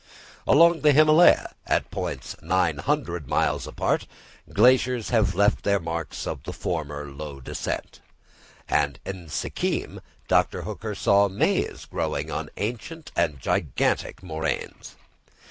Along the Himalaya, at points 900 miles apart, glaciers have left the marks of their former low descent; and in Sikkim, Dr. Hooker saw maize growing on ancient and gigantic moraines.